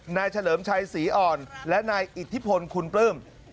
เฉลิมชัยศรีอ่อนและนายอิทธิพลคุณปลื้ม